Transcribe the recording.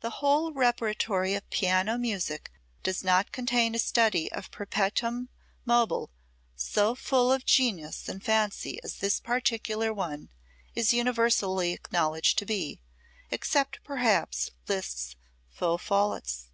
The whole repertory of piano music does not contain a study of perpetuum mobile so full of genius and fancy as this particular one is universally acknowledged to be, except perhaps Liszt's Feux Follets.